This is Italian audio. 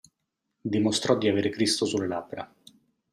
Dimostrò di avere Cristo sulle labbra.